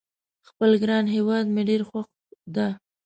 خپل ګران هیواد مې ډېر خوښ ده